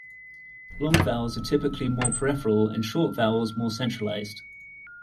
Long vowels are typically more peripheral and short vowels more centralized.